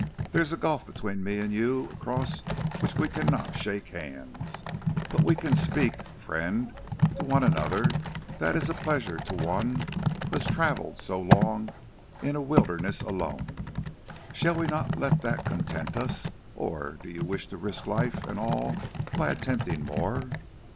There is a gulf between me and you across which we cannot shake hands. But we can speak, friend, to one another, and that is a pleasure to one who has travelled so long in a wilderness alone. Shall we not let that content us, or do you wish to risk life and all by attempting more?"